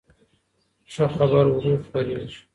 ښه خبر ورو خپرېږي